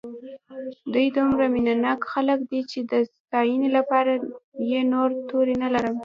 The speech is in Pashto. دوی دومره مینه ناک خلک دي چې د ستاینې لپاره یې توري نه لرم.